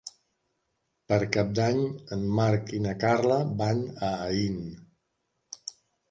Per Cap d'Any en Marc i na Carla van a Aín.